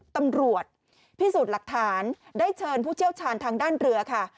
ตำรวจพิสูจน์หลักฐานได้เชิญผู้เชี่ยวชาญทางด้านเรือค่ะ